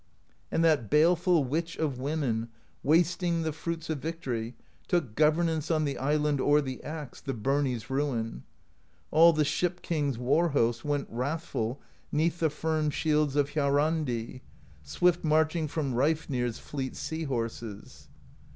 And that baleful Witch of Women, Wasting the fruits of victory. Took governance on the island O'er the axe, the Birnie's Ruin; All the Ship King's war host Went wrathful 'neath the firm shields Of Hjarrandi, swift marching From Reifnir's fleet sea horses.